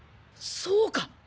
そうか！